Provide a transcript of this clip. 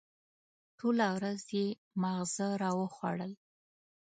ټوله ورځ یې ماغزه را وخوړل.